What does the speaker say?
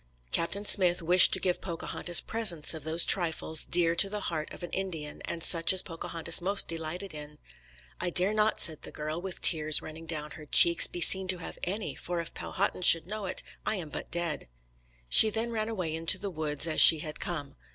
Captain Smith wished to give Pocahontas presents of those trifles dear to the heart of an Indian, and such as Pocahontas most delighted in. "I dare not," said the girl, with tears running down her cheeks, "be seen to have any, for if Powhatan should know it, I am but dead." She then ran away into the woods as she had come.